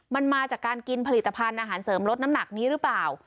มันมาจากการกินผลิตภัณฑ์อาหารเสริมลดน้ำหนักนี้หรือเปล่า